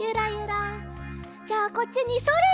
じゃあこっちにそれ！